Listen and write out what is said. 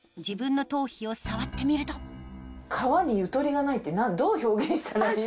自分の頭皮を触ってみると皮にゆとりがないってどう表現したら。